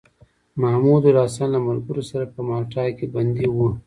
محمودالحسن له ملګرو سره په مالټا کې بندي و.